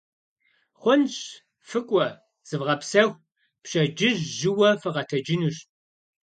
Хъунщ, фыкӀуэ, зывгъэпсэху, пщэдджыжь жьыуэ фыкъэтэджынущ.